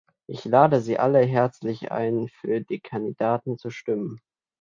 Ich lade Sie alle herzlich ein, für die Kandidaten zu stimmen.